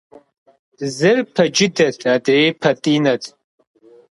Зыр пэ джыдэт, адрейр пэтӏинэт.